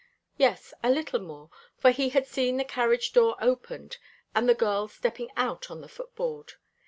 Yes, a little more, for he had seen the carriage door opened and the girl stepping out on the footboard.